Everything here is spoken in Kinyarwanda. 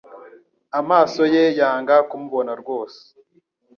Amaso ye yanga kumubona rwose